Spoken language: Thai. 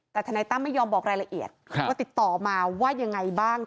แต่ทนายตั้มไม่ยอมบอกรายละเอียดว่าติดต่อมาว่ายังไงบ้าง